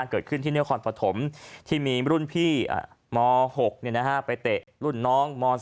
เกิดขึ้นที่นครปฐมที่มีรุ่นพี่ม๖ไปเตะรุ่นน้องม๒